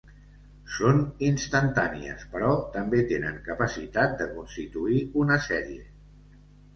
Són instantànies però també tenen capacitat de constituir una sèrie.